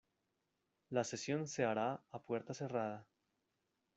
La sesión se hará a puerta cerrada.